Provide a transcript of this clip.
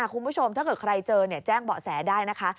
ถ้าเกิดใครเจอแจ้งเบาะแสได้นะคะ